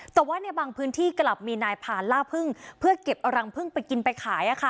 แต่ว่าในบางพื้นที่กลับมีนายผ่านล่าพึ่งเพื่อเก็บเอารังพึ่งไปกินไปขาย